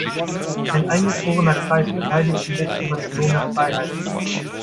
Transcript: Ein eingeschworener Kreis verteidigt die letzte Bastion der Freiheit.